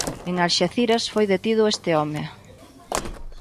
En Alxeciras foi detido este home.